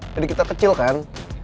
dari kita kecil kan